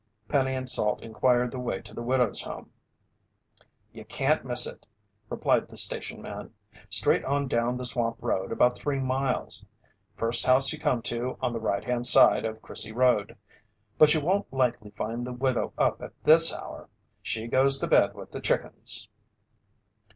Penny and Salt inquired the way to the widow's home. "You can't miss it," replied the station man. "Straight on down the swamp road about three miles. First house you come to on the right hand side of Crissey Road. But you won't likely find the widow up at this hour. She goes to bed with the chickens!"